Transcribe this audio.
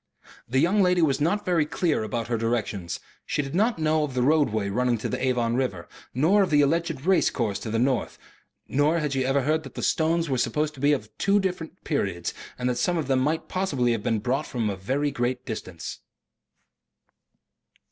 The young lady was not very clear about her directions. She did not know of the roadway running to the Avon river, nor of the alleged race course to the north, nor had she ever heard that the stones were supposed to be of two different periods and that some of them might possibly have been brought from a very great distance.